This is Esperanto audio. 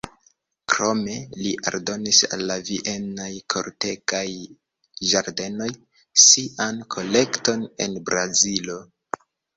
Krome li aldonis al la Vienaj kortegaj ĝardenoj sian kolekton en Brazilo.